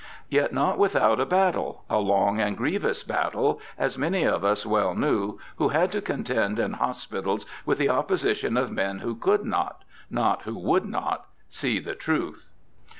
Yet not without a battle — a long and grievous battle, as many of us well knew who had to contend in hospitals with the opposition of men who could not — not who would not — see the truth.